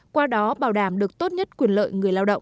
qua đó bảo đảm được tốt nhất quyền lợi người lao động